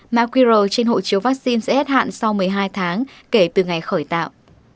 mã quy rời trên hộ chiếu vắc xin sẽ hết hạn sau một mươi hai tháng kể từ ngày khởi tạo